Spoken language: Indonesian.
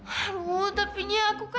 aduh tapi aku kan